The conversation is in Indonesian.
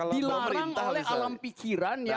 dilarang oleh alam pikiran yang